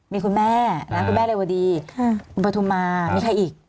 แม่คุณแม่เร็วสวัสดีคุณปฐุมามีใครอีก